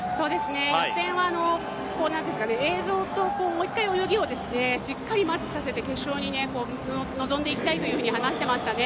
予選は映像ともう１回泳ぎをしっかりマッチさせて決勝に臨んでいきたいと話していましたね、